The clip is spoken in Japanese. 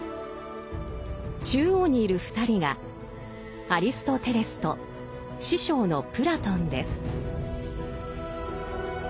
中央にいる２人がアリストテレスと師匠のプラトンです。